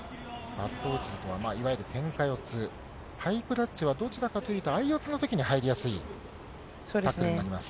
バットオチルとは、いわゆるけんか四つ、ハイクラッチはどちらかというと、相四つのときに入りやすいタックルになります。